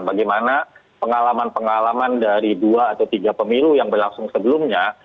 bagaimana pengalaman pengalaman dari dua atau tiga pemilu yang berlangsung sebelumnya